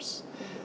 dan tentu saja